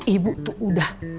ibu tuh udah